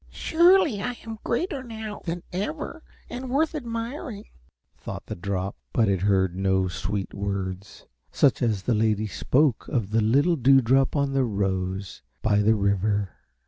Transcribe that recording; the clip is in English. "Surely I am greater now than ever and worth admiring," thought the drop, but it heard no sweet words such as the lady spoke of the little Dewdrop on the rose by the river.